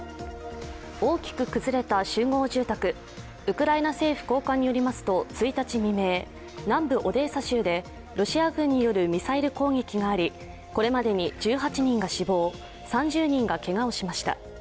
大きく崩れた集合住宅、ウクライナ政府高官によりますと１日未明、南部のオデーサ州でロシア軍によるミサイル攻撃があり、これまでに１８人が死亡、３０人がけがをしました。